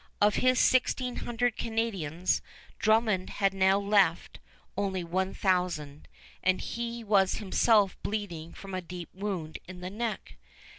Of his sixteen hundred Canadians, Drummond had now left only one thousand, and he was himself bleeding from a deep wound in the neck.